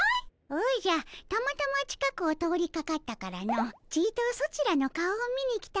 おじゃたまたま近くを通りかかったからのちとソチらの顔を見に来たのじゃ。